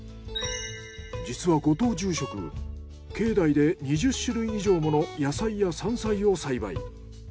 実は後藤住職境内で２０種類以上もの野菜や山菜を栽培。